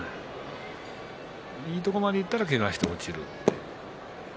いいとこまでいったらけがして落ちる。